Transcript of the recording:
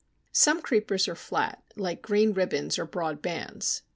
Some creepers are flat, like green ribbons or broad bands.